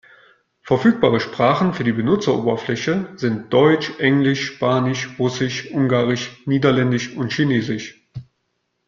Verfügbare Sprachen für die Benutzeroberfläche sind Deutsch, Englisch, Spanisch, Russisch, Ungarisch, Niederländisch und Chinesisch.